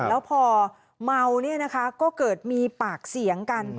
แล้วพอเมาเนี่ยนะคะก็เกิดมีปากเสียงกัน